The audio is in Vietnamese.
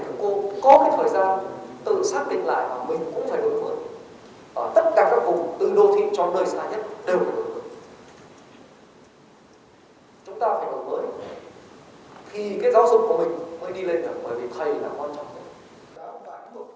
thì cái giáo dục của mình mới đi lên thẳng bởi vì thầy là quan trọng nhất